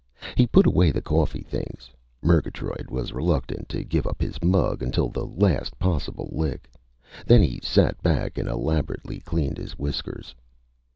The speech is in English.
He put away the coffee things. Murgatroyd was reluctant to give up his mug until the last possible lick. Then he sat back and elaborately cleaned his whiskers.